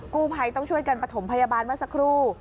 กู้ภัยต้องช่วยกันประถมพยาบาลเมื่อสักครู่